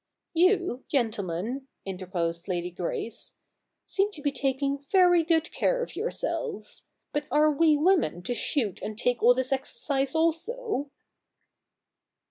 'You, gentlemen,' interposed Lady Grace, 'seem to be taking very good care of yourselves ; but are we women to shoot and take all this exercise also